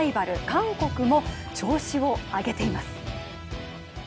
韓国も調子を上げています。